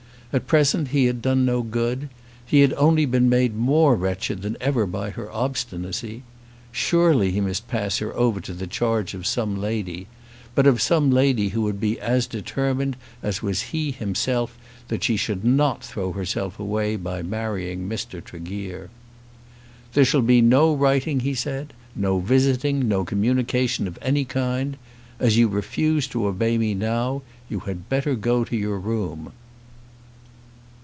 At present he had done no good. He had only been made more wretched than ever by her obstinacy. Surely he must pass her over to the charge of some lady, but of some lady who would be as determined as was he himself that she should not throw herself away by marrying Mr. Tregear. "There shall be no writing," he said, "no visiting, no communication of any kind. As you refuse to obey me now, you had better go to your room."